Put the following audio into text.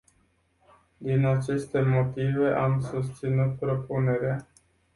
Din aceste motive am susținut propunerea.